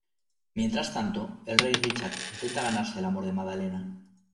Mientras tanto, el rey Richard intenta ganarse el amor de Madalena.